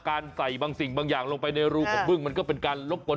การใส่บางสิ่งบางอย่างลงไปในรูของเบื่อมันก็เป็นการลบสด